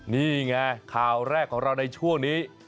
นี่ไงข่าวแรกของเราในช่วงนี้